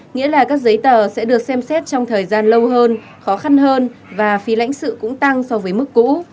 nghĩa là các giấy tờ sẽ được xem xét trong thời gian lâu hơn khó khăn hơn và phí lãnh sự cũng tăng so với mức cũ